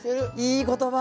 いい言葉。